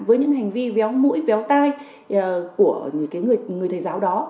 với những hành vi véo mũi véo tai của người thầy giáo đó